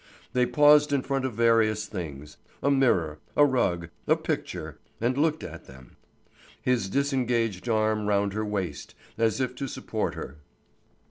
They paused in front of various things a mirror, a rug, a picture and looked at them, his disengaged arm round her waist, as if to support her.